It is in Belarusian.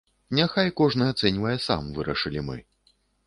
Няхай кожны ацэньвае сам, вырашылі мы.